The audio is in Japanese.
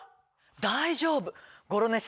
大丈夫。